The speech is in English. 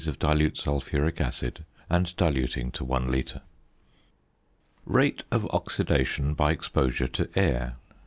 of dilute sulphuric acid, and diluting to 1 litre. ~Rate of Oxidation by Exposure to Air.